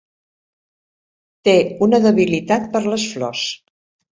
Té una debilitat per les flors.